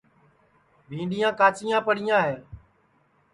بھینٚڈؔیا کاچیاں پڑیاں ہے